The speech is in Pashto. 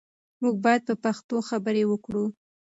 موږ باید په پښتو خبرې وکړو.